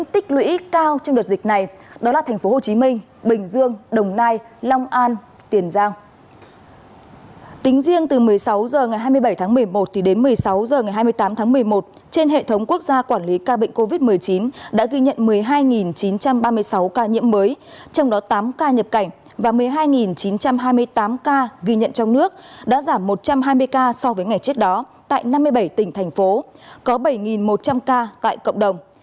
tại năm mươi bảy tỉnh thành phố có bảy một trăm linh ca tại cộng đồng